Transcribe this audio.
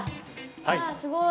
わあすごい。